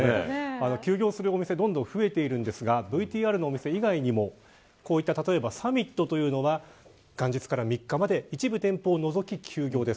休業するお店がどんどん増えていますがＶＴＲの店以外にもサミットというのは元日から３日まで一部店舗を除き、休業です。